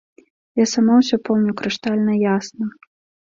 Я сама ўсё помню крыштальна ясна.